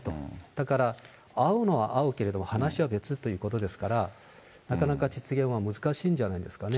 だから、会うのは会うけれども、話は別ということですから、なかなか実現は難しいんじゃないですかね。